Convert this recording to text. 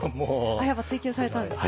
あっやっぱ追求されたんですね。